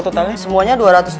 musa musa musa